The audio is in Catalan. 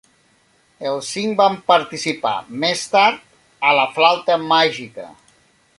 Els cinc van participar més tard a La flauta màgica.